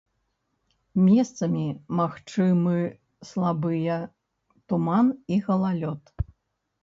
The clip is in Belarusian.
Месцамі магчымы слабыя туман і галалёд.